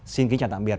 xin kính chào tạm biệt